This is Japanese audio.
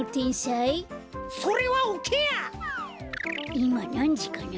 いまなんじかな？